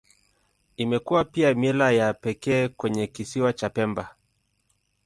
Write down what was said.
Imekuwa pia mila ya pekee kwenye Kisiwa cha Pemba, Tanzania.